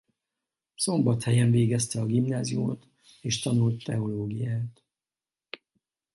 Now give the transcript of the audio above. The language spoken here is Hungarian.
Szombathelyen végezte a gimnáziumot és tanult teológiát.